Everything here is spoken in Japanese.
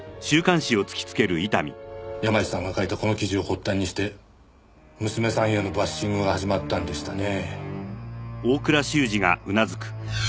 山路さんが書いたこの記事を発端にして娘さんへのバッシングが始まったんでしたね。